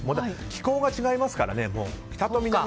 気候が違いますからね。